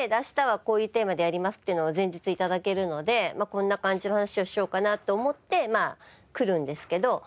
明日はこういうテーマでやりますっていうのを前日に頂けるのでこんな感じの話をしようかなと思って来るんですけど。